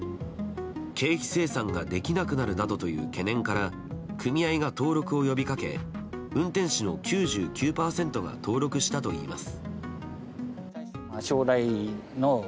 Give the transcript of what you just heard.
経費精算ができなくなるなどという懸念から組合が登録を呼びかけ運転手の９９％が登録したといいます。